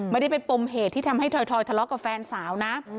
ไม่ได้เป็นปมเหตุที่ทำให้ถอยทะเลาะกับแฟนสาวนะ